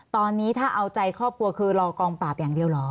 ตอนนี้ถ้าเอาใจครอบครัวคือรอกองปราบอย่างเดียวเหรอ